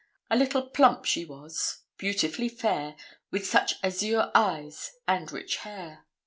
A little plump she was, beautifully fair, with such azure eyes, and rich hair.